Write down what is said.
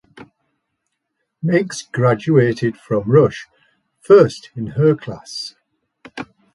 Meigs graduated from Rush first in her class.